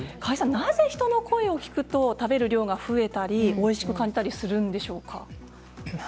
なぜ人の声を聞くと食べる量が増えたりおいしく感じたりするんでしょうか。